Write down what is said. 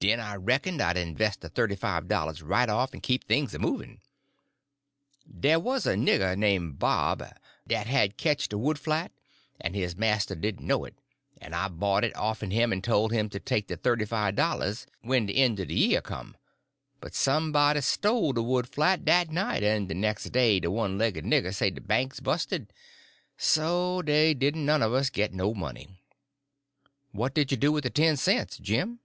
Den I reck'n'd I'd inves' de thirty five dollars right off en keep things a movin'. Dey wuz a nigger name' Bob, dat had ketched a wood flat, en his marster didn' know it; en I bought it off'n him en told him to take de thirty five dollars when de en' er de year come; but somebody stole de wood flat dat night, en nex day de one laigged nigger say de bank's busted. So dey didn' none uv us git no money." "What did you do with the ten cents, Jim?"